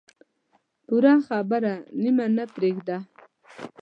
پوره خبره نیمه نه پرېږده.